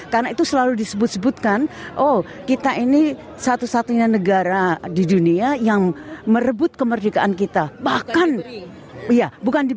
karena itu selalu disebut sebutkan oh kita ini satu satunya negara di dunia yang merebut kemerdekaan kita